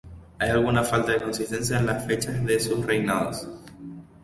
Hay alguna falta de consistencia en las fechas de sus reinados.